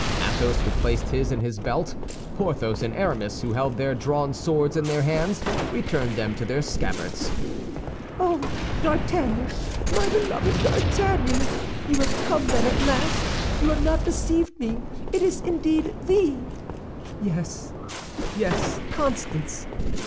Athos replaced his in his belt; Porthos and Aramis, who held their drawn swords in their hands, returned them to their scabbards. "Oh, D'Artagnan, my beloved D'Artagnan! You have come, then, at last! You have not deceived me! It is indeed thee!" "Yes, yes, Constance.